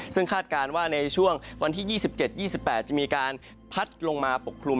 ซึ่งคาดการณ์ว่าในช่วงวันที่๒๗๒๘จะมีการพัดลงมาปกคลุม